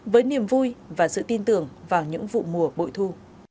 với niềm vui và sự tin tưởng vào những vụ mùa bội thu